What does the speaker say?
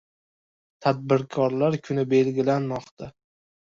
Tadbirkorlar kuni belgilanmoqda